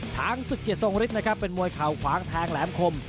ช้างศึกเกียรทรงฤทธิ์นะครับเป็นมวยเข่าขวางแทงแหลมคม